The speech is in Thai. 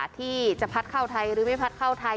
ที่จะพัดเข้าไทยหรือไม่พัดเข้าไทย